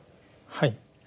はい。